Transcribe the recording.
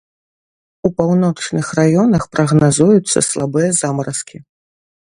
У паўночных раёнах прагназуюцца слабыя замаразкі.